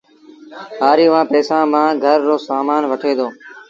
هآريٚ اُئآݩ پئيٚسآݩ مآݩ گھر رو سامآݩ وٺي دو